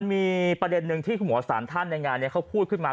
มีประเด็นหนึ่งที่หัวสารท่านในงานเขาพูดขึ้นมา